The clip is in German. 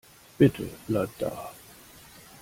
Bitte, bleib da.